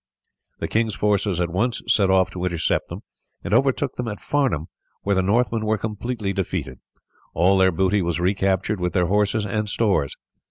The king's forces at once set off to intercept them, and overtook them at Farnham, where the Northmen were completely defeated. All their booty was recaptured, with their horses and stores.